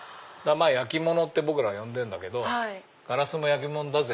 まぁ焼き物って僕らは呼んでんだけどガラスも焼き物だぜ！